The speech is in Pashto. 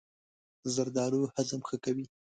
زردالو هضم ښه کوي.